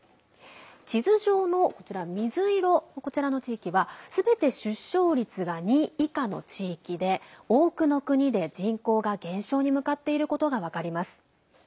地図上の水色の地域はすべて出生率が２以下の地域で多くの国で人口が減少に向かっていることが分かります。